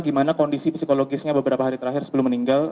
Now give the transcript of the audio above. gimana kondisi psikologisnya beberapa hari terakhir sebelum meninggal